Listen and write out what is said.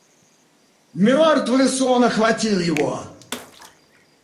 Мертвый сон охватил его.